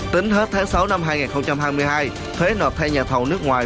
tính hết tháng sáu năm hai nghìn hai mươi hai thuế nộp thay nhà thầu nước ngoài